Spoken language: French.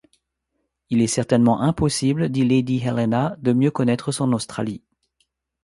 Il est certainement impossible, dit lady Helena, de mieux connaître son Australie.